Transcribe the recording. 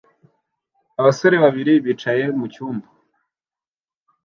Abasore babiri bicaye mucyumba